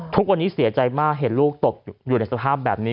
ทุกวันนี้เสียใจมากเห็นลูกตกอยู่ในสภาพแบบนี้